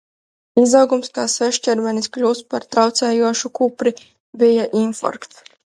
Izaugums kā svešķermenis kļūst par traucējošu kupri. Bija infarkts.